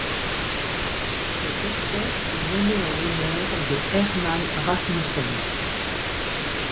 Cette espèce est nommée en l'honneur de Herman Rasmussen.